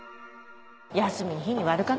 休みの日に悪かね。